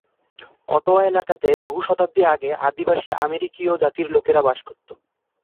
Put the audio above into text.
Ottawa এলাকাতে বহু শতাব্দী আগে আদিবাসী আমেরিকীয় জাতির লোকেরা বাস করত।